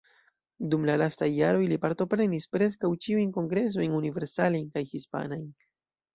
Dum la lastaj jaroj li partoprenis preskaŭ ĉiujn kongresojn universalajn kaj hispanajn.